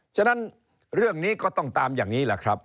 ฉะนั้นเรื่องนี้ก็ต้องตามอย่างนี้แหละครับ